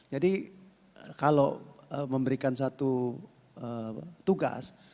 jadi kalau memberikan satu tugas